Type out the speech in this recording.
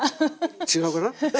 違うかな？